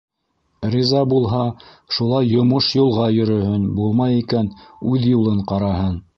Риза булһа, шулай йомош-юлға йөрөһөн, булмай икән, үҙ юлын ҡараһын.